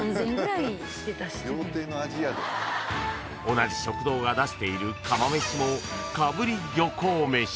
［同じ食堂が出している釜飯もかぶり漁港飯］